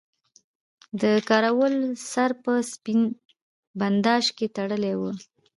د کراول سر په سپین بنداژ کې تړلی وو.